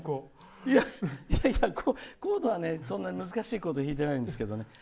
いやいやコードはそんなに難しいコード弾いてないですけどね。